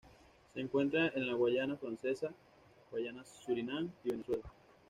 Se encuentra en la Guayana Francesa, Guayana Surinam y Venezuela.